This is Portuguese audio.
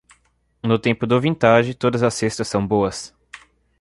No tempo do vintage, todas as cestas são boas.